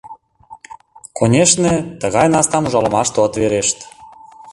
Конешне, тыгай настам ужалымаште от верешт.